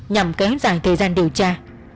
nhằm kéo dài thời gian điều tra